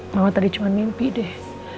mama tadi cuma mimpi deh